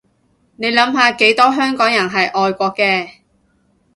你諗下幾多香港人係愛國嘅